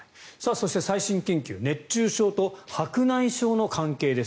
そして、最新研究熱中症と白内障の関係です。